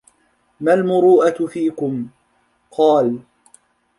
مَا الْمُرُوءَةُ فِيكُمْ ؟ قَالَ